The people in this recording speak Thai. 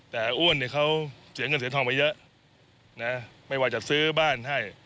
แต่อ้วนเนี่ยเขาเสียเงินเสียทองไปเยอะนะไม่ว่าจะซื้อบ้านให้